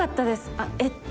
あっえっと。